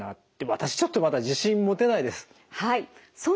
私ちょっとまだ自信持てないです。